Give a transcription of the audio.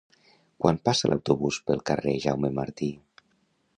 Quan passa l'autobús pel carrer Jaume Martí?